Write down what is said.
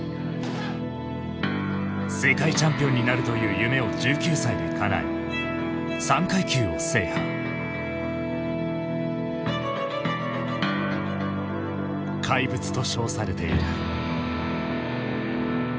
世界チャンピオンになるという夢を１９歳でかなえ「怪物」と称されている。